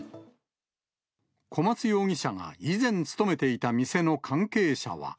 小松容疑者が以前勤めていた店の関係者は。